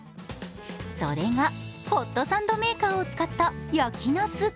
それが、ホットサンドメーカーを使った焼きなす。